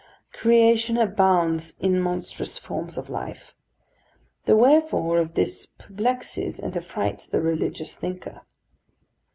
Creation abounds in monstrous forms of life. The wherefore of this perplexes and affrights the religious thinker.